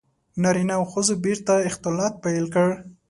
• نارینه او ښځو بېرته اختلاط پیل کړ.